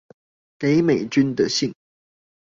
給美君的信